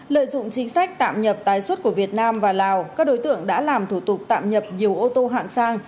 lợi dụng chính sách tạm nhập tái xuất của việt nam và lào các đối tượng đã làm thủ tục tạm nhập nhiều ô tô hạng sang